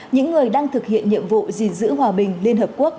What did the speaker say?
những người đang thực hiện nhiệm vụ gìn giữ hòa bình liên hợp quốc